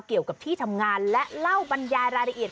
เกี่ยวกับที่ทำงานและเล่าบรรยายรายละเอียด